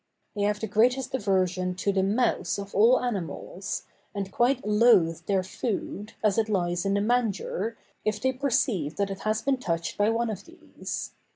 They have the greatest aversion to the mouse of all animals, and quite loathe their food, as it lies in the manger, if they perceive that it has been touched by one of these.